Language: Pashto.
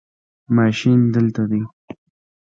ماشین دلته دی